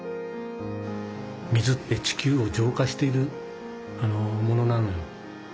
水って地球を浄化しているものなのよ。